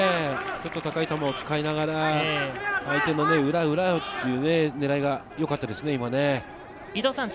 高い球を使いながら相手の裏という狙いがよかったですね。